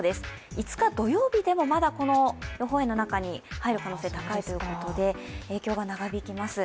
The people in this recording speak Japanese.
５日土曜日でもまだこの予報円の中に入る可能性が高いということで、影響が長引きます